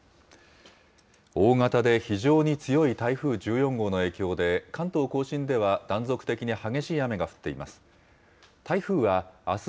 大型で非常に強い台風１４号の影響で、関東甲信では断続的に激しい雨が降っています。